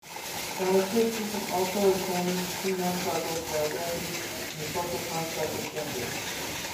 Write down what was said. Gynocriticism also examines the female struggle for identity and the social construct of gender.